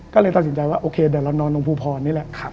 ก็เลยตัดสินใจว่าโอเคเดี๋ยวเรานอนตรงภูพรนี่แหละ